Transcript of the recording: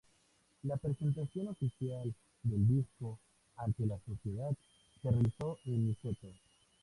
La presentación oficial del disco ante la sociedad se realizó en Niceto.